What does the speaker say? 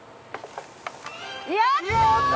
やった！